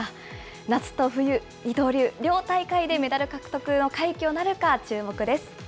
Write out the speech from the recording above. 夏と冬、二刀流、両大会でメダル獲得の快挙なるか、注目です。